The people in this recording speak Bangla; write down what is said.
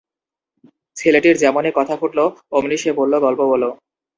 ছেলেটির যেমনি কথা ফুটল অমনি সে বলল, “গল্প বলো”।